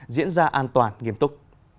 diễn ra an toàn nghiêm túc